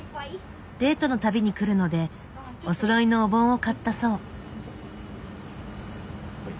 デートの度に来るのでおそろいのお盆を買ったそう。